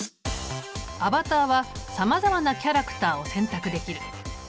アバターはさまざまなキャラクターを選択できる。